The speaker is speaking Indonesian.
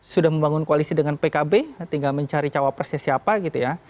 sudah membangun koalisi dengan pkb tinggal mencari jawab presnya siapa